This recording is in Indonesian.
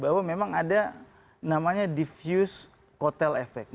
bahwa memang ada namanya diffuse kotel effect